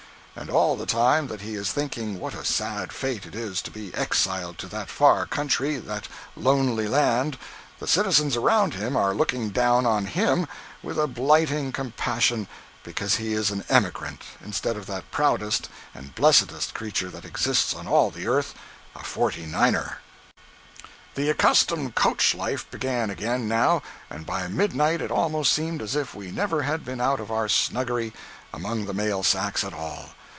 And all the time that he is thinking what a sad fate it is to be exiled to that far country, that lonely land, the citizens around him are looking down on him with a blighting compassion because he is an "emigrant" instead of that proudest and blessedest creature that exists on all the earth, a "FORTY NINER." 140.jpg (30K) The accustomed coach life began again, now, and by midnight it almost seemed as if we never had been out of our snuggery among the mail sacks at all.